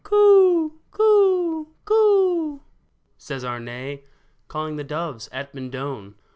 *' Coo ! coo ! coo !" says Arne, Calling the doves at Mendon